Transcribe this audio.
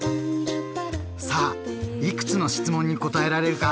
さあいくつの質問に答えられるか？